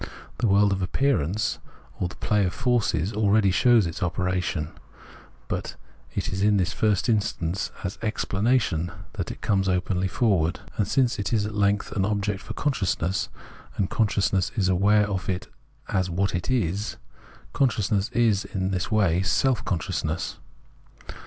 The world of appearance, or the play of forces, aheady shows its operation ; but it is in the first instance as Explanation that it comes openly forward. And since it is at length an object for consciousness, and conscious ness is aware of it as what it is, consciousness is in this way Self consciousness.